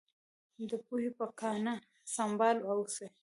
د پوهې په ګاڼه سمبال اوسئ.